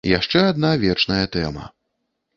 Яшчэ адна вечная тэма.